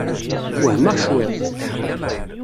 Wehmeɣ cwiṭ.